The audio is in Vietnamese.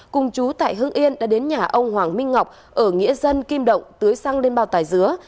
cùng chú tại hưng yên đã đến nhà ông hoàng minh ngọc ở nghĩa dân kim động tưới sang bên bao tải dứa